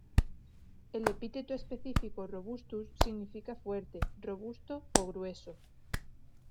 El epíteto específico "robustus" significa fuerte, robusto o grueso.